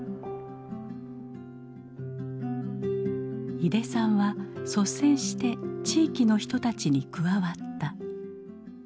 井手さんは率先して地域の人たちに加わった。